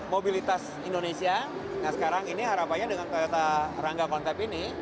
mobilitas indonesia nah sekarang ini harapannya dengan toyota rangga kontemp ini